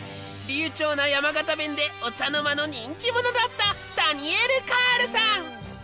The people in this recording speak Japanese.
流暢な山形弁でお茶の間の人気者だったダニエル・カールさん